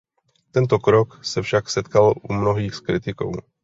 Tento krok se však setkal u mnohých s kritikou.